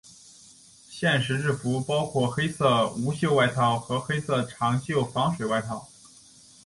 现时制服包括黑色无袖外套和黑色长袖防水外套。